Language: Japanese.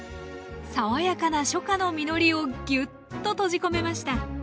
爽やかな初夏の実りをぎゅっと閉じ込めました。